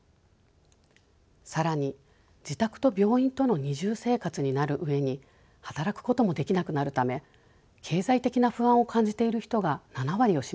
更に自宅と病院との二重生活になる上に働くこともできなくなるため経済的な不安を感じている人が７割を占めました。